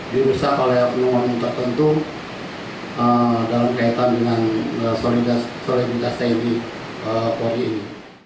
dirusak oleh oknum oknum tertentu dalam kaitan dengan soliditas tni polri ini